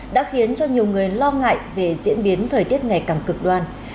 đã khiến cho nhiều người lo ngại về diễn biến thời tiết ngày càng cực đoan